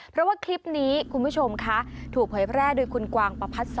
เพราะว่าคลิปนี้คุณผู้ชมคะถูกเผยแพร่โดยคุณกวางประพัด๒